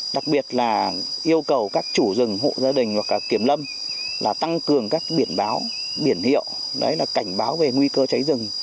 đặc biệt là yêu cầu các chủ rừng hộ gia đình hoặc kiểm lâm tăng cường các biển báo biển hiệu cảnh báo về nguy cơ cháy rừng